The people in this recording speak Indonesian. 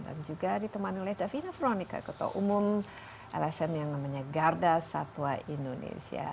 dan juga ditemani oleh davina veronica ketua umum lsm yang namanya garda satwa indonesia